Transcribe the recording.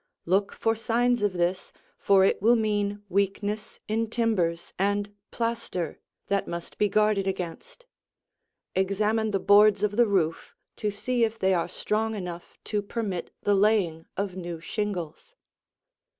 Look for signs of this, for it will mean weakness in timbers and plaster that must be guarded against. Examine the boards of the roof to see if they are strong enough to permit the laying of new shingles.